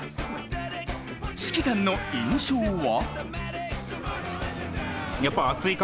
指揮官の印象は？